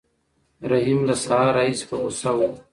رحیم له سهار راهیسې په غوسه و.